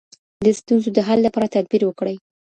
د ستونزو د حل لپاره تدبیر وکړئ.